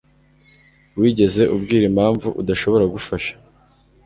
Wigeze ubwira impamvu udashobora gufasha?